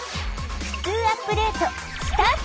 「ふつうアップデート」スタート！